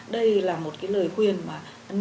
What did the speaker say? đây là một cái lời khuyên mà